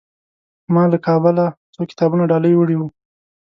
ما له کابله څو کتابونه ډالۍ وړي وو.